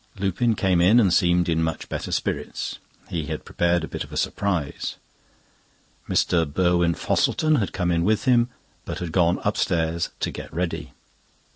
Lupin came in and seemed in much better spirits. He had prepared a bit of a surprise. Mr. Burwin Fosselton had come in with him, but had gone upstairs to get ready.